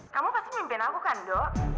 kamu pasti mimpin aku kan dok